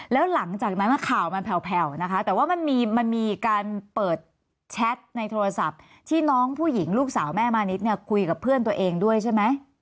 แล้วหลังจากนั้นข่าวมันแผ่วนะคะแต่ว่ามันมีการเปิดแชทในโทรศัพท์ที่น้องผู้หญิงลูกสาวแม่มานิดเนี่ยคุยกับเพื่อนตัวเองด้วยใช่ไหม